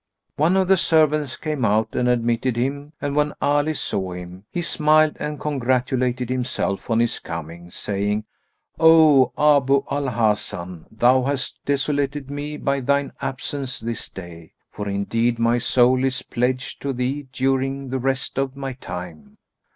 One of the servants came out and admitted him; and when Ali saw him, he smiled and congratulated himself on his coming, saying, "O Abu al Hasan, thou hast desolated me by thine absence this day; for indeed my soul is pledged to thee during the rest of my time."